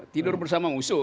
tidur bersama musuh